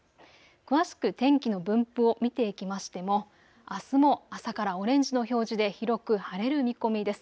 詳しく天気の分布を見ていきましてもあすも朝からオレンジの表示で広く晴れる見込みです。